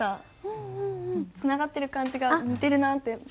つながってる感じが似てるなって。